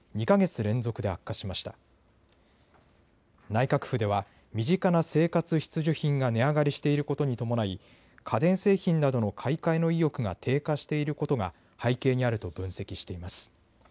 内閣府では身近な生活必需品が値上がりしていることに伴い家電製品などの買い替えの意欲が低下していることが背景にあると分析しています。